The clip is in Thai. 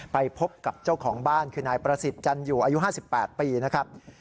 ไปพบกับเจ้าของบ้านคือนายประสิทธิ์จันอยู่อายุ๕๘ปีนะครับ